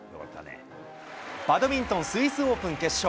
バドミントンスイスオープン決勝。